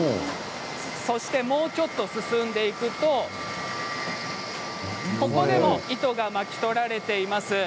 そしてもうちょっと進んでいくとここでも糸が巻き取られています。